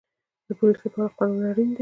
د پولیس لپاره قانون اړین دی